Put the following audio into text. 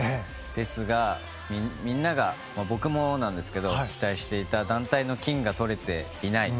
ですが、みんなが僕もなんですけど、期待していた団体の金がとれていない。